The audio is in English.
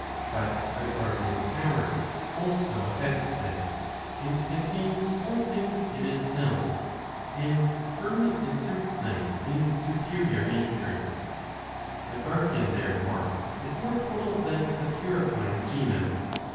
But a guardian power also effects this, and contains all things in itself, and firmly inserts them in superior natures. The guardian therefore is more total than the purifying genus.